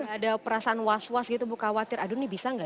ada perasaan was was gitu buka khawatir aduh ini bisa gak ya